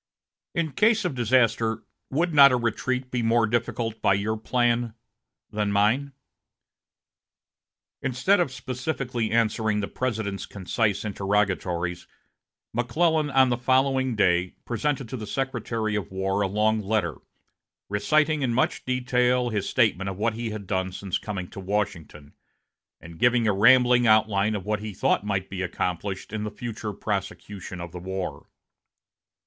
In case of disaster, would not a retreat be more difficult by your plan than mine?" Instead of specifically answering the President's concise interrogatories, McClellan, on the following day, presented to the Secretary of War a long letter, reciting in much detail his statement of what he had done since coming to Washington, and giving a rambling outline of what he thought might be accomplished in the future prosecution of the war.